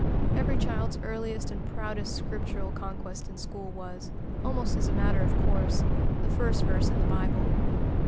Every child's earliest and proudest Scriptural conquest in school was, almost as a matter of course, the first verse in the Bible.